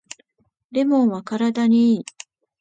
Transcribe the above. レモンは体にいい